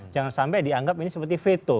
jangan sampai dianggap ini seperti veto